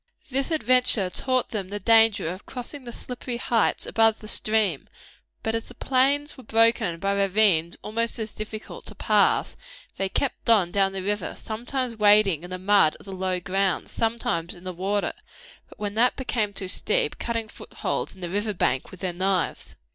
This adventure taught them the danger of crossing the slippery heights above the stream, but as the plains were broken by ravines almost as difficult to pass, they kept on down the river, sometimes wading in the mud of the low grounds, sometimes in the water, but when that became too deep, cutting footholds in the river bank with their knives.